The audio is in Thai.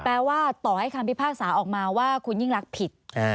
แปลว่าต่อให้คำพิพากษาออกมาว่าคุณยิ่งรักผิด